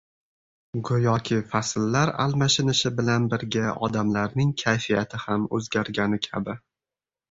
go‘yoki, fasllar almashinishi bilan birga odamlarning kayfiyati ham o‘zgargani kabi.